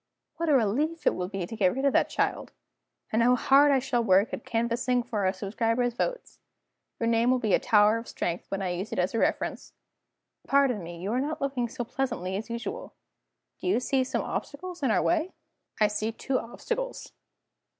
What a relief it will be to get rid of that child! And how hard I shall work at canvassing for subscribers' votes! Your name will be a tower of strength when I use it as a reference. Pardon me you are not looking so pleasantly as usual. Do you see some obstacles in our way?" "I see two obstacles."